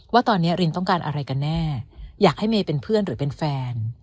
ว่าตอนนี้รินต้องการอะไรกันแน่อยากให้เมย์เป็นเพื่อนหรือเป็นแฟน